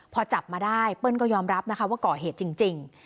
พอจับมาได้เปิ้ลก็ยอมรับนะคะว่าก่อเหตุจริง